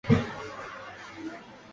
拉马盖尔。